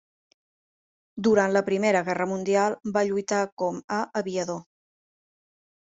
Durant la Primera Guerra Mundial va lluitar com a aviador.